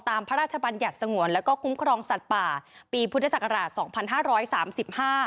ตามพระราชบันยัตรย์สงวนและคุ้มครองสัตว์ป่าปีพุทธศักราช๒๕๓๕